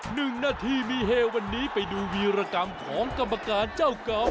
หนึ่งนาทีมีเฮวันนี้ไปดูวีรกรรมของกรรมการเจ้าเก่า